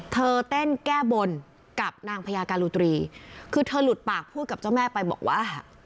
เต้นแก้บนกับนางพญาการุตรีคือเธอหลุดปากพูดกับเจ้าแม่ไปบอกว่า